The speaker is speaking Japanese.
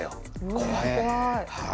怖い。